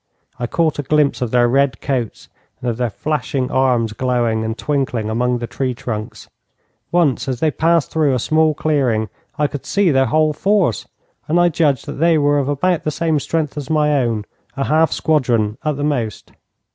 I caught a glimpse of their red coats and of their flashing arms glowing and twinkling among the tree trunks. Once, as they passed through a small clearing, I could see their whole force, and I judged that they were of about the same strength as my own a half squadron at the most.